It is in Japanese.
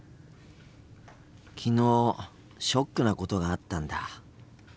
昨日ショックなことがあったんだ。